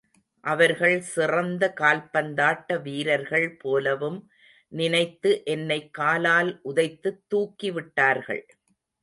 அவர்கள் சிறந்த கால்பந்தாட்ட வீரர்கள் போலவும் நினைத்து என்னை காலால் உதைத்துத் தூக்கிவிட்டார்கள்.